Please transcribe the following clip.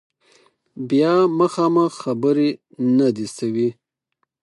بیا مخامخ خبرې نه دي شوي